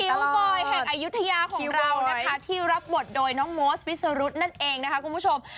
น้องบอยแห่งอายุทยาของเรานะคะที่รับบทโดยน้องโมสวิสรุธนั่นเองนะคะคุณผู้ชม